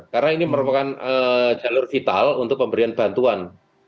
karena ini merupakan jalur vital untuk pemberian bantuan